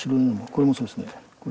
これもそうです。